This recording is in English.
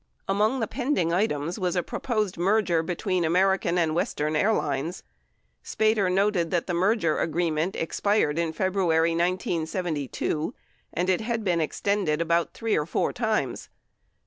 15 Among the pending items was a proposed merger between American and Western Airlines. Spater noted that the merger agreement expired in February 1972, and it had been extended about three or four times.